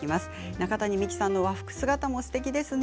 中谷さんの和服姿もすてきですね。